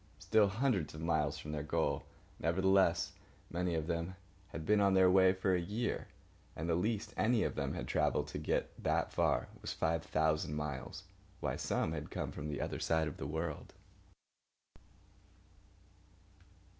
Still hundreds of miles from their goal, nevertheless many of them had been on the way for a year, and the least any of them had travelled to get that far was five thousand miles, while some had come from the other side of the world.